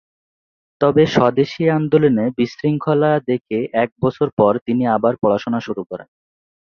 তবে স্বদেশী আন্দোলনে বিশৃঙ্খলা দেখে এক বছর পর তিনি আবার পড়াশোনা শুরু করেন।